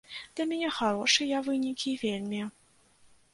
Для мяне харошыя вынікі вельмі.